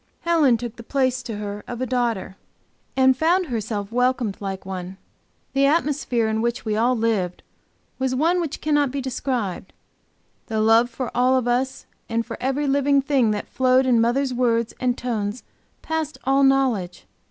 Helen took the place to her of a daughter, and found herself welcomed like one. The atmosphere in which we all lived was one which cannot be described; the love for all of us and for every living thing that flowed in mother's words and tones passed all knowledge.